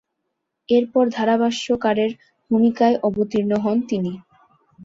এরপর ধারাভাষ্যকারের ভূমিকায় অবতীর্ণ হন তিনি।